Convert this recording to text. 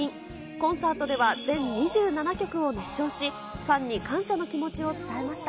コンサートでは全２７曲を熱唱し、ファンに感謝の気持ちを伝えました。